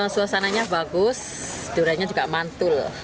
suasananya bagus duriannya juga mantul